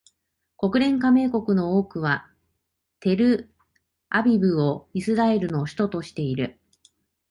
国連加盟国の多くはテルアビブをイスラエルの首都としている